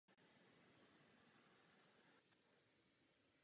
Byla známá pod názvem „podivná hvězda“ nebo „hvězda poutník“.